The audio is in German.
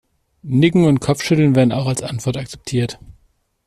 Nicken und Kopfschütteln werden auch als Antwort akzeptiert.